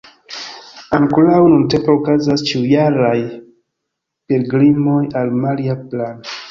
Ankoraŭ nuntempe okazas ĉiujaraj pilgrimoj al Maria Plan.